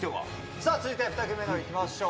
さあ続いて、２組目いきましょう。